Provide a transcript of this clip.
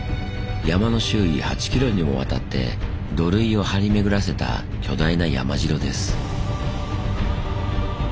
山の周囲８キロにもわたって土塁を張り巡らせた巨大な山城です。